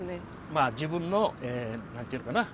まあ自分の何て言うのかな？